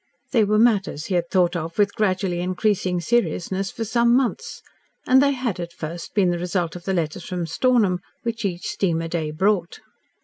They were matters he had thought of with gradually increasing seriousness for some months, and they had, at first, been the result of the letters from Stornham, which each "steamer day" brought.